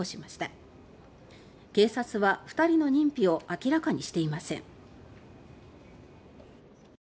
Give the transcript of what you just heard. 警察は２人の認否を明らかにしていません。